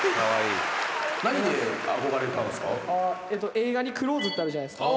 「映画に『クローズ』ってあるじゃないですか」